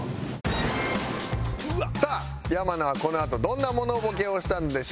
「さあ山名はこのあとどんなモノボケをしたんでしょう？」